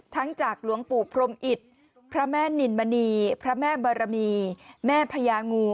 จากหลวงปู่พรมอิตพระแม่นินมณีพระแม่บารมีแม่พญางู